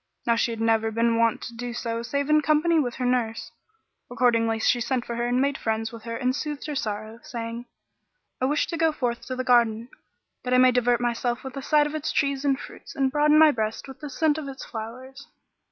Now she had never been wont so to do save in company with her nurse; accordingly she sent for her and made friends with her and soothed her sorrow, saying, "I wish to go forth to the garden, that I may divert myself with the sight of its trees and Fruits, and broaden my breast with the scent of its flowers."